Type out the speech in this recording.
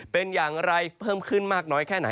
เป็นอย่างไรเพิ่มขึ้นมากน้อยแค่ไหน